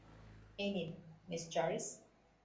এই নিন, miss Charles.